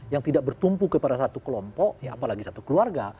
yang tidak bertumpu kepada satu kelompok ya apalagi satu keluarga